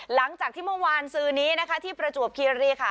หลังจากที่เมื่อวานซื้อนี้นะคะที่ประจวบคีรีค่ะ